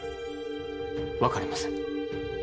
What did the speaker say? わかりません。